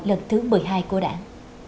lần thứ một mươi hai của đảng